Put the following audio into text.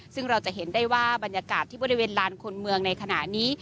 ซึ่งเราจะเห็นได้ว่าบรรยากาศที่บริเวณลานคนเมืองในขณะนี้